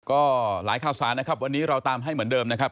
ก็หลายข่าวสารนะครับวันนี้เราตามให้เหมือนเดิมนะครับ